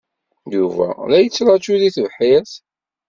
Yuba la yettṛaju deg tebḥirt.